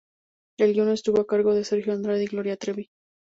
El guion estuvo a cargo de Sergio Andrade y Gloria Trevi.